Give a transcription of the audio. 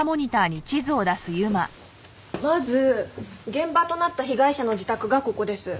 まず現場となった被害者の自宅がここです。